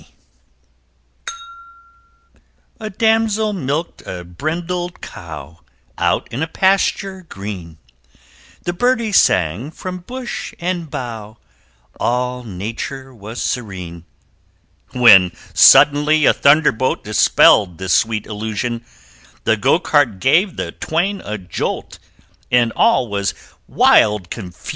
A Damsel milked a brindled Cow Out in a pasture green, The Birdies sang from bush and bough All Nature was serene When suddenly a thunderbolt Dispelled the sweet illusion The Go cart gave the twain a jolt, And all was wild confusion!